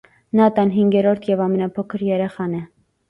Նա տան հինգերորդ և ամենափոքր երեխան է։